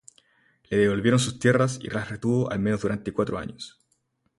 Le devolvieron sus tierras, y las retuvo al menos durante cuatro años.